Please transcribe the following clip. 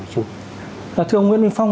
thưa ông nguyễn minh phong